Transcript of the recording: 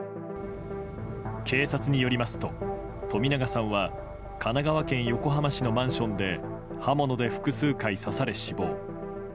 警察によりますと冨永さんは神奈川県横浜市のマンションで刃物で複数回刺され死亡。